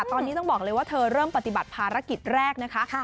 ตอนนี้ต้องบอกเลยว่าเธอเริ่มปฏิบัติภารกิจแรกนะคะ